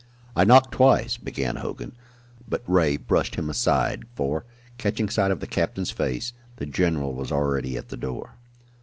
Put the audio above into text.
"I knocked twice," began Hogan, but Ray brushed him aside, for, catching sight of the captain's face, the general was already at the door.